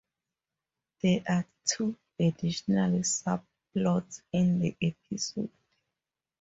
There are two additional subplots in the episode.